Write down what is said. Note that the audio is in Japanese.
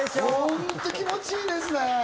本当、気持ちいいですね。